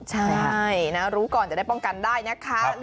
ใช่นะรู้ก่อนจะได้ป้องกันได้นะคะ